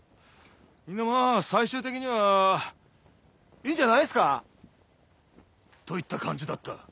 みんなまぁ最終的には「いいんじゃないっすか？」といった感じだった。